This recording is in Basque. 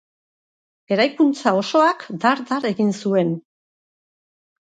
Eraikuntza osoak dar-dar egin zuen.